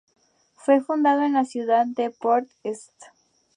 Fue fundado el en la ciudad de Port St.